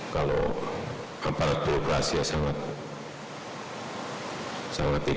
kalau amparan birokrasi sangat tidak pantas